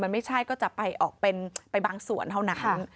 มันไม่ใช่ก็จะไปออกเป็นไปบางส่วนเท่านั้น